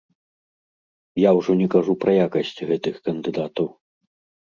Я ўжо не кажу пра якасць гэтых кандыдатаў.